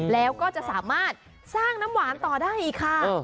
แล้วก็จะสามารถสร้างน้ำหวานต่อได้อีกค่ะ